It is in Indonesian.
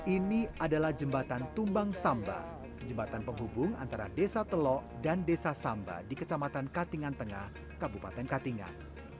ini adalah jembatan tumbang samba jembatan penghubung antara desa telok dan desa samba di kecamatan katingan tengah kabupaten katingan